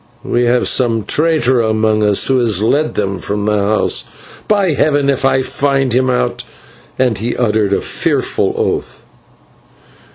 We have some traitor among us who has led them from the house; by Heaven, if I find him out " and he uttered a fearful oath.